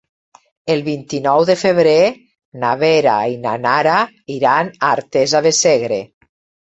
El vint-i-nou de febrer na Vera i na Nara iran a Artesa de Segre.